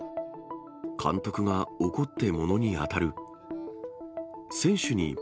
監督が怒ってものに当たる。